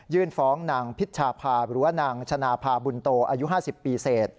ฟ้องนางพิชชาพาหรือว่านางชนะพาบุญโตอายุ๕๐ปีเศษ